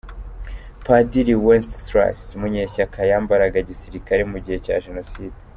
Padiri Wenceslas Munyeshyaka yambaraga gisilikare mugihe cya Jenoside